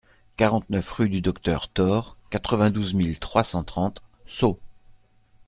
quarante-neuf rue du Docteur Thore, quatre-vingt-douze mille trois cent trente Sceaux